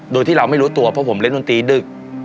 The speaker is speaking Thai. โดยที่เราไม่รู้ตัวเพราะผมเล่นดนตรีดึก